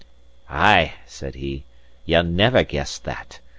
"Ay," said he, "ye'll never guess that!